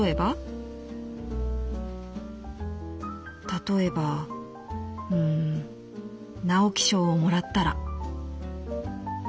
「たとえばうーん直木賞をもらったら」。